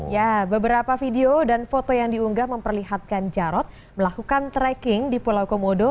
ya beberapa video dan foto yang diunggah memperlihatkan jarod melakukan tracking di pulau komodo